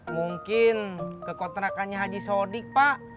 mungkin ke kontrakannya haji sodik pak